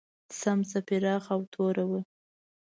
سمڅه پراخه او توره وه.